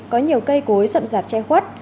có nhiều cây cối sậm dạp che khuất